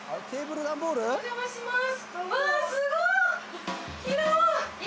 お邪魔します。